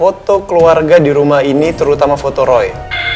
ada satu keluarga di rumah ini terutama foto roy